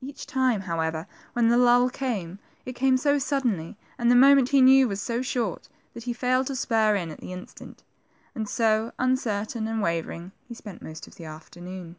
Each time, however, when the lull came, it came so suddenly, and the moment, he knew, was so short, that he failed to spur in at the instant ; and so, un certain and wavering, he spent most of the afternoon.